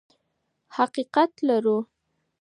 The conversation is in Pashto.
حقیقت لرو.